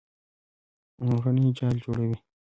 غڼې جال جوړوي.